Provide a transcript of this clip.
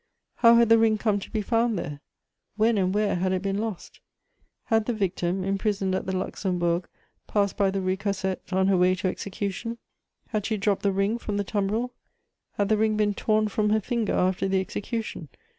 How had the ring come to be found there? When and where had it been lost? Had the victim, imprisoned at the Luxembourg, passed by the Rue Cassette on her way to execution? Had she dropped the ring from the tumbril? Had the ring been torn from her finger after the execution?